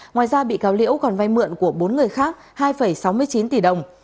ngoài ra bị cáo liễu còn vay mượn của bốn người khác hai sáu mươi chín tỷ đồng